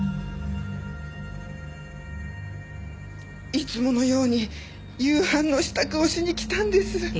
いつものように夕飯の支度をしに来たんです。